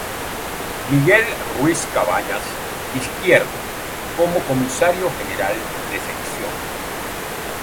Miguel Ruiz-Cabañas Izquierdo como Comisario General de Sección.